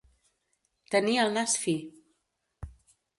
Tenir el nas fi.